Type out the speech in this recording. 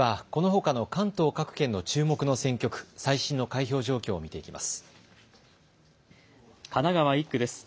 ではこのほかの関東各県の注目の選挙区、最新の開票状況を見ていきます。